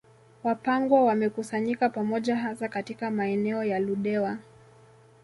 Wapangwa wamekusanyika pamoja hasa katika maeneo ya Ludewa